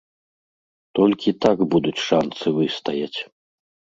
Толькі так будуць шанцы выстаяць.